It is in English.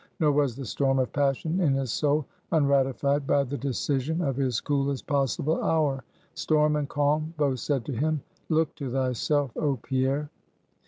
Nor was the storm of passion in his soul unratified by the decision of his coolest possible hour. Storm and calm both said to him, Look to thyself, oh Pierre!